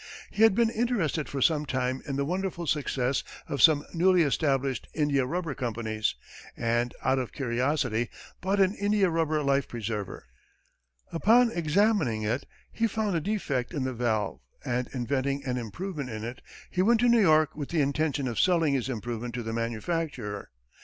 He had been interested for some time in the wonderful success of some newly established India rubber companies, and, out of curiosity, bought an India rubber life preserver. Upon examining it, he found a defect in the valve, and inventing an improvement in it, he went to New York with the intention of selling his improvement to the manufacturer.